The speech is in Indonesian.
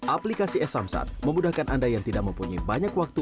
aplikasi e samsat memudahkan anda yang tidak mempunyai banyak waktu